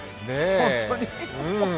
本当に！